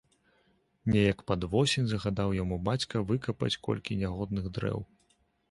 Неяк пад восень загадаў яму бацька выкапаць колькі нягодных дрэў.